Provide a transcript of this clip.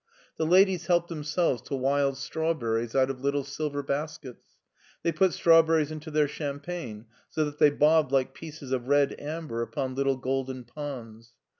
The ladies helped themselves to wild strawberries out of little silver baskets. They put strawberries into their cham pagne so that they bobbed like pieces of red amber upon little golden ponds.